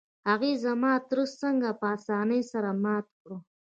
هغې زما تره څنګه په اسانۍ سره مات کړ؟